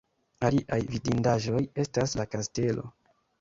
Aliaj vidindaĵoj estas la kastelo.